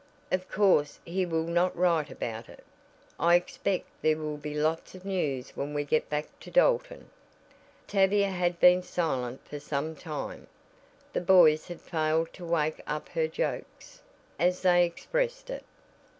"Of course he will not write about it. I expect there will be lots of news when we get back to Dalton." Tavia had been silent for some time. The boys had failed to "wake up her jokes," as they expressed it.